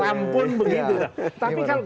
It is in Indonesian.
trump pun begitu